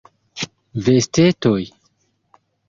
Vestetoj.